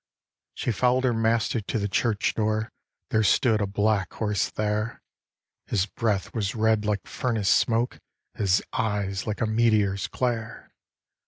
She follow'd her Master to the church door, There stood a black horse there; His breath was red like furnace smoke, His eyes like a meteor's glare.